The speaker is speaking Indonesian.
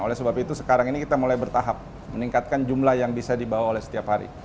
oleh sebab itu sekarang ini kita mulai bertahap meningkatkan jumlah yang bisa dibawa oleh setiap hari